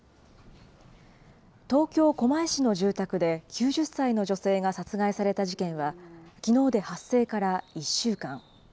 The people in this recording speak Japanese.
東京・狛江市の住宅で９０歳の女性が殺害された事件は、きのうで発生から１週間。